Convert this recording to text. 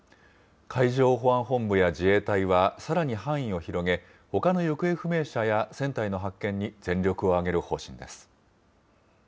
海上保安本部や自衛隊はさらに範囲を広げ、ほかの行方不明者や船体の発見に全力を挙げる方針です。